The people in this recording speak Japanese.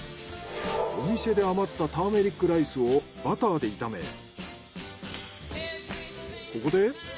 お店で余ったターメリックライスをバターで炒めここで。